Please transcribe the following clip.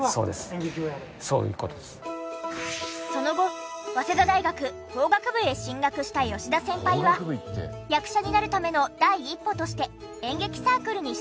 その後早稲田大学法学部へ進学した吉田先輩は役者になるための第一歩として演劇サークルに所属。